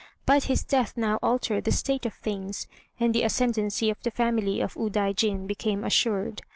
But his death now altered the state of things, and the ascendancy of the family of Udaijin became assured.